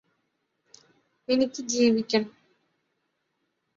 എനിക്ക് ജീവിക്കണം